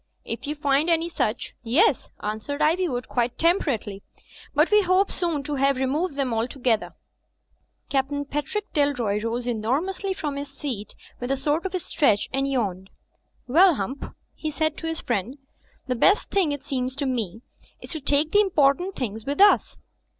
"If you find any such, yes," answered Ivywood, quite temperately. "But we hope soon to have re moved them altogether." Captain Patrick Dalroy rose enormously from his seat with a sort of stretch and yawn. Digitized by VjOOQlC so THE FLYING INN 'Well, Hump/' he said to his friend, "the best thing, it seems to me, is to take the important things with us."